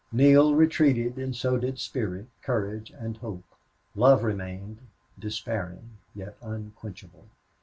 Neale retreated and so did spirit, courage, hope. Love remained, despairing, yet unquenchable.